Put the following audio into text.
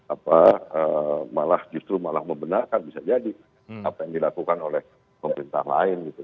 apa malah justru malah membenarkan bisa jadi apa yang dilakukan oleh pemerintah lain gitu